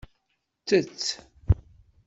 Ttett.